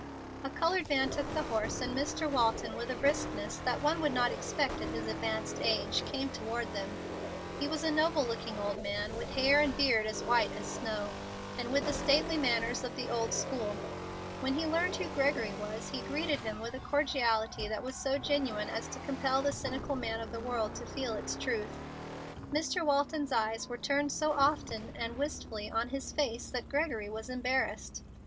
A colored man took the horse, and Mr. Walton, with a briskness that one would not expect at his advanced age, came toward them. He was a noble looking old man, with hair and beard as white as snow, and with the stately manners of the old school. When he learned who Gregory was he greeted him with a cordiality that was so genuine as to compel the cynical man of the world to feel its truth. Mr. Walton's eyes were turned so often and wistfully on his face that Gregory was embarrassed.